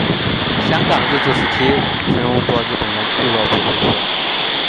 香港日治时期曾用作日本人俱乐部会所。